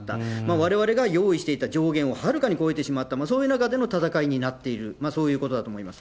われわれが用意していた上限を、はるかに超えてしまった、そういう中での闘いになっている、そういうことだと思います。